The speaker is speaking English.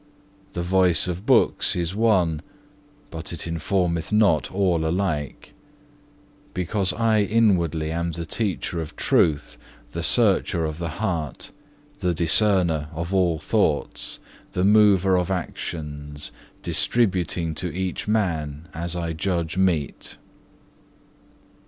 The voice of books is one, but it informeth not all alike; because I inwardly am the Teacher of truth, the Searcher of the heart, the Discerner of the thoughts, the Mover of actions, distributing to each man, as I judge meet."